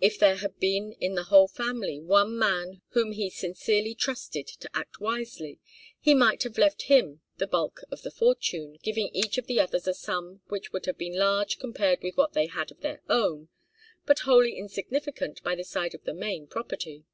If there had been in the whole family one man whom he sincerely trusted to act wisely, he might have left him the bulk of the fortune, giving each of the others a sum which would have been large compared with what they had of their own, but wholly insignificant by the side of the main property.